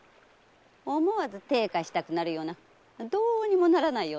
思わず手ぇ貸したくなるようなどうにもならないような男で。